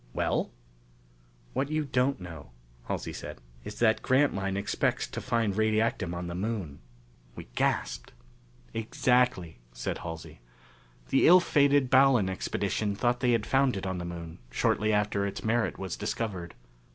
"Well?" "What you don't know," Halsey said, "is that Grantline expects to find radiactum on the Moon." We gasped. "Exactly," said Halsey. "The ill fated Ballon Expedition thought they had found it on the Moon, shortly after its merit was discovered.